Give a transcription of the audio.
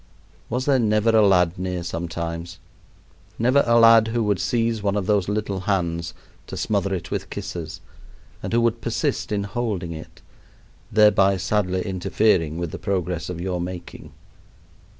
Was there never a lad near sometimes never a lad who would seize one of those little hands to smother it with kisses, and who would persist in holding it, thereby sadly interfering with the progress of your making?